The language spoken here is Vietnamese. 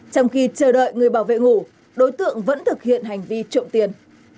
trong khi chờ đợi người bảo vệ ngủ đối tượng vẫn thực hiện hành vi trộm tiền